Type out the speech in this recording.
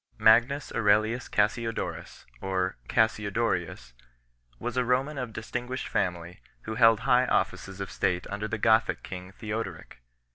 Magnus Aurelius Cassiodorus 1 (or Cassiodorius) was a Roman of distinguished family, who held high offices of state under the Gothic king Theoderic.